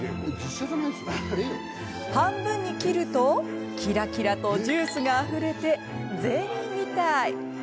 半分に切るとキラキラとジュースがあふれてゼリーみたい。